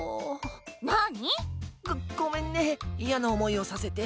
なに？ごごめんねいやなおもいをさせて。